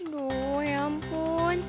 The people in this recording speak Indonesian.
aduh ya ampun